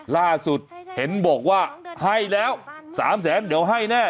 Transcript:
ล่าสุดเห็นบอกว่าให้แล้ว๓แสนเดี๋ยวให้แน่